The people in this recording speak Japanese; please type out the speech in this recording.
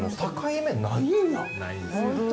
ないんですよ。